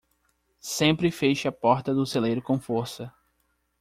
Sempre feche a porta do celeiro com força.